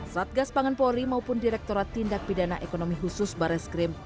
satgas pangan polri maupun direkturat tindak pidana ekonomi khusus barreskrim